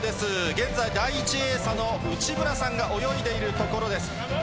現在、第１泳者の内村さんが泳いでいるところです。